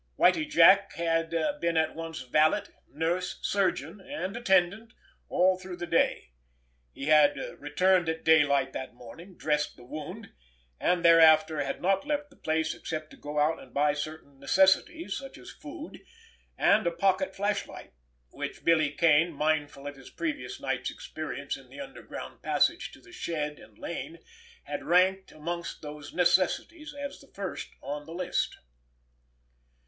Whitie Jack had been at once valet, nurse, surgeon and attendant all through the day. He had returned at daylight that morning, dressed the wound, and thereafter had not left the place except to go out and buy certain necessities, such as food—and a pocket flashlight, which Billy Kane, mindful of his previous night's experience in the underground passage to the shed and lane, had ranked amongst those necessities as the first on the list.